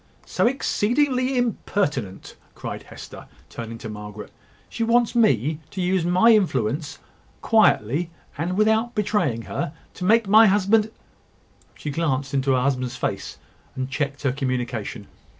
"So exceedingly impertinent!" cried Hester, turning to Margaret. "She wants me to use my influence, quietly, and without betraying her, to make my husband ," she glanced into her husband's face, and checked her communication.